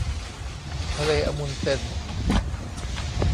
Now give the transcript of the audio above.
ทะเลอะมุนด์เซน